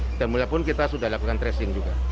sidang mulia pun kita sudah lakukan tracing juga